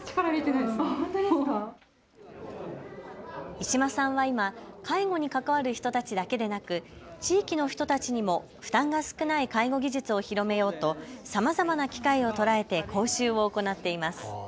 石間さんは今、介護に関わる人たちだけでなく地域の人たちにも負担が少ない介護技術を広めようとさまざまな機会を捉えて講習を行っています。